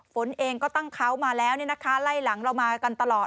ฝนเองก็ตั้งเขามาแล้วไล่หลังเรามากันตลอด